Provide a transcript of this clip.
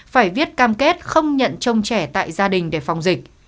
phải viết cam kết không nhận trông trẻ tại gia đình để phòng dịch